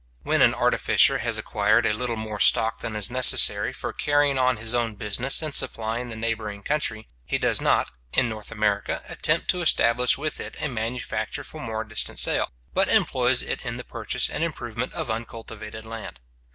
When an artificer has acquired a little more stock than is necessary for carrying on his own business in supplying the neighbouring country, he does not, in North America, attempt to establish with it a manufacture for more distant sale, but employs it in the purchase and improvement of uncultivated land.